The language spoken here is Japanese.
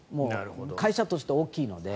会社として大きいので。